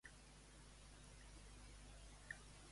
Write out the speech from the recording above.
Truca'm un Talixo que em porti avui a Tarragona.